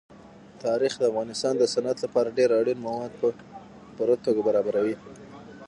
تاریخ د افغانستان د صنعت لپاره ډېر اړین مواد په پوره توګه برابروي.